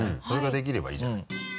それができればいいじゃない。